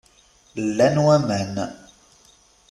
Llan waman.